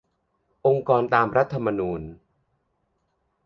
องค์กรตามรัฐธรรมนูญ